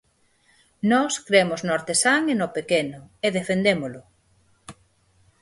Nós cremos no artesán e no pequeno, e defendémolo.